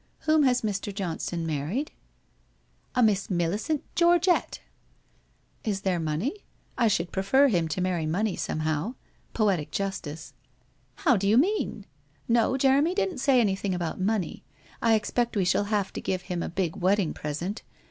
Whom has Mr. Johnson married ?'' A Miss Millicent Georgett/ ' Is there money ? I should prefer him to marry money somehow. Poetic justice/ * How do you mean ? No, Jeremy didn't say anything about money. I expect we shall have to give him a big wedding present.